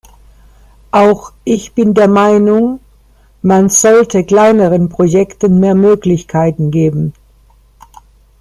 Auch ich bin der Meinung, man sollte kleineren Projekten mehr Möglichkeiten geben.